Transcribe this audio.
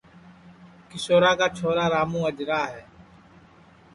کیشورا کا چھورا راموں اجرا ہے